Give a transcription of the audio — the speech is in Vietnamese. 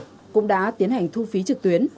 ngày nay chấm vn cũng đã tiến hành thu phí trực tuyến